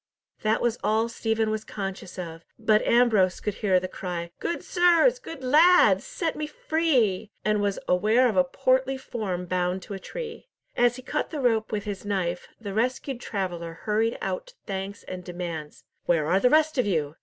That was all Stephen was conscious of; but Ambrose could hear the cry, "Good sirs, good lads, set me free!" and was aware of a portly form bound to a tree. As he cut the rope with his knife, the rescued traveller hurried out thanks and demands—"Where are the rest of you?"